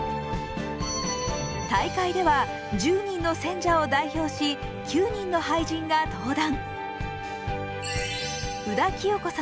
大会では１０人の選者を代表し９人の俳人が登壇。